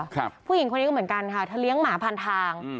ผู้หญิงคนนี้ก็เหมือนกันค่ะเธอเลี้ยงหมาพันทางอืม